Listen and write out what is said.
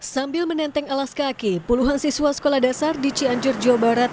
sambil menenteng alas kaki puluhan siswa sekolah dasar di cianjur jawa barat